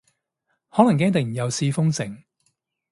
可能驚突然又試封城